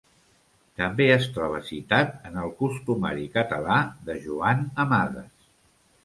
També es troba citat en el "Costumari Català" de Joan Amades.